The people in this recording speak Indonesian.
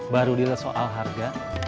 baru dia soal harga